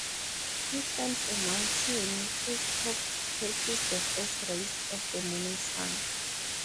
He climbs a mountain whose top catches the first rays of the morning sun.